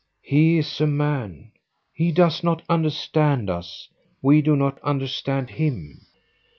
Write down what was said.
he is a man. He does not understand us: we do not understand him!"